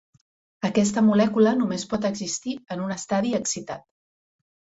Aquesta molècula només pot existir en un estadi excitat.